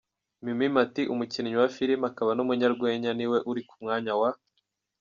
Mimie Mathy, umukinnyi wa filime akaba n’umunyarwenya ni we uri ku mwanya wa .